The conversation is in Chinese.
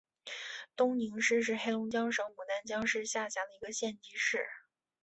东宁市是黑龙江省牡丹江市下辖的一个县级市。